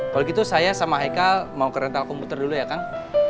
kalau gitu saya sama eka mau kereta aku muter dulu ya kang